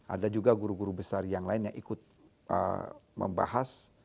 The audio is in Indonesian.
ada juga guru guru besar yang lain yang ikut membahas